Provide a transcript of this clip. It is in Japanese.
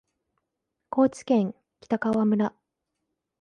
高知県北川村